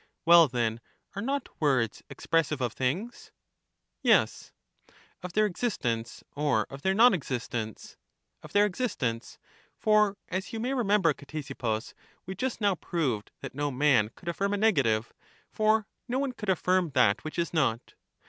Well, then, are not words expressive of things? Yes. Of their existence or of their non existence? Of their existence. For, as you may remember, Ctesippus, ^e just now proved that no man could affirm a negative; for no one could affirm that which is not.